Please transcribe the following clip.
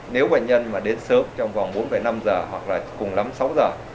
nếu bệnh nhân mà đến sớm trong vòng bốn năm giờ hoặc là cùng lắm sáu giờ